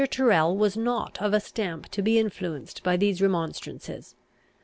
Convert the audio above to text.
Tyrrel was not of a stamp to be influenced by these remonstrances.